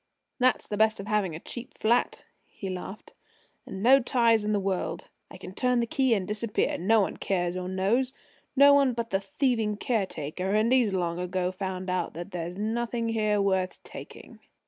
"That's the best of having a cheap flat," he laughed, "and no ties in the world. I can turn the key and disappear. No one cares or knows no one but the thieving caretaker. And he's long ago found out that there's nothing here worth taking!"